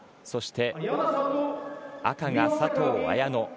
そして赤が佐藤綾乃。